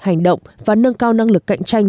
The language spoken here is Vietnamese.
hành động và nâng cao năng lực cạnh tranh